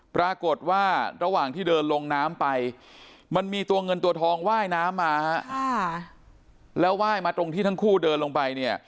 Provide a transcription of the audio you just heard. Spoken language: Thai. ปรากฏว่าระหว่างที่เดินลงน้ำไปมันมีตัวเงินตัวทองว่ายน้ำมาแล้วไหว้มาตรงที่ทั้งคู่เดินลงไปเนี่ย